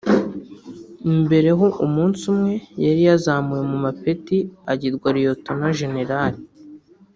mbere ho umunsi umwe yari yazamuwe mu mapeti agirwa lieutenant General